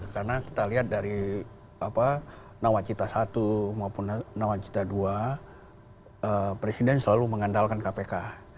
karena kita lihat dari apa nawacita i maupun nawacita ii presiden selalu mengandalkan kpk